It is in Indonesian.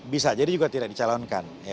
bisa jadi juga tidak dicalonkan